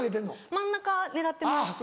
真ん中狙ってます。